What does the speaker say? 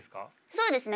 そうですね。